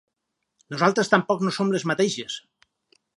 Nosaltres tampoc no som les mateixes.